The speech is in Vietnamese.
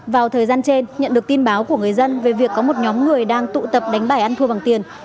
vào thời gian trên nhận được tin báo của người dân về việc có một nhóm người đang tụ tập đánh bài ăn thua bằng tiền